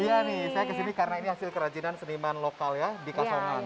dia nih saya kesini karena ini hasil kerajinan seniman lokal ya di kasongan